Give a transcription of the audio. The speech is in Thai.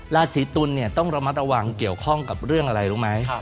ราศีตุลต้องระมัดระวังเกี่ยวข้องกับเรื่องอะไรรู้ไหม